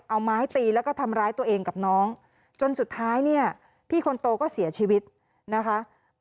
เอาไม้ตีแล้วก็ทำร้ายตัวเองกับน้องจนสุดท้ายเนี่ยพี่คนโตก็เสียชีวิตนะคะ